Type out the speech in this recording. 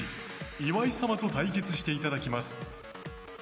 ・岩井様と対決していただきます。